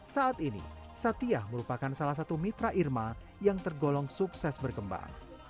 saat ini satya merupakan salah satu mitra irma yang tergolong sukses berkembang